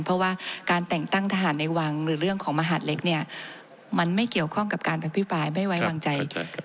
เพราะว่าการแต่งตั้งทหารในวังหรือเรื่องของมหาดเล็กเนี่ยมันไม่เกี่ยวข้องกับการอภิปรายไม่ไว้วางใจ